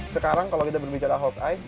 sekarang kalau kita berbicara all hawkeye